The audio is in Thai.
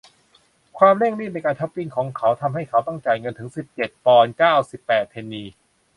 ความรีบเร่งในการช็อปปิ้งของเขาทำให้เขาต้องจ่ายเงินถึงสิบเจ็ดปอนด์เก้าสิบแปดเพนนี